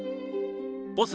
ボス